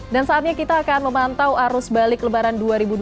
dan saatnya kita akan memantau arus balik lebaran dua ribu dua puluh tiga